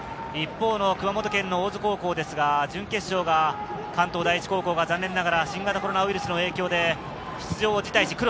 一方の熊本県の大津高校ですが、準決勝が関東第一高校が残念ながら新型コロナウイルスの影響で出場を辞退し。